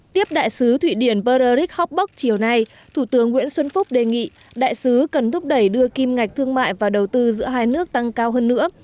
tiếp đại sứ thụy điển beraric hotberg chiều nay thủ tướng nguyễn xuân phúc đề nghị đại sứ cần thúc đẩy đưa kim ngạch thương mại và đầu tư giữa hai nước tăng cao hơn nữa